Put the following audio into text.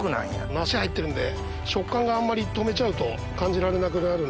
梨入ってるんで食感があんまりとめちゃうと感じられなくなるんで。